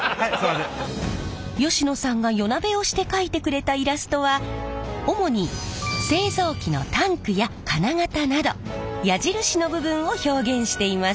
吉野さんが夜なべをして描いてくれたイラストは主に製造機のタンクや金型など矢印の部分を表現しています。